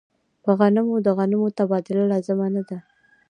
په غنمو د غنمو تبادله لازمه نه ده.